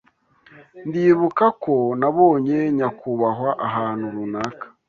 Ndibuka ko nabonye nyakubahwa ahantu runaka.